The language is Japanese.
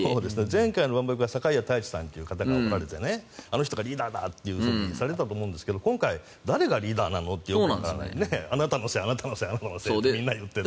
前回の万博が堺屋太一さんっていう方が来られてあの人がリーダーだってしてたんですけど今回、誰がリーダーなの？っていう感じであなたのせい、あなたのせいってみんな言っている。